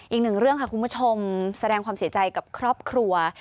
อีกหนึ่งเรื่องค่ะคุณผู้ชมแสดงความเสียใจกับครอบครัว